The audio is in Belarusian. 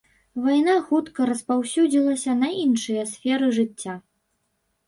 Вайна хутка распаўсюдзілася на іншыя сферы жыцця.